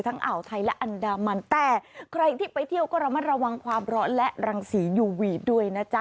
อ่าวไทยและอันดามันแต่ใครที่ไปเที่ยวก็ระมัดระวังความร้อนและรังสียูวีทด้วยนะจ๊ะ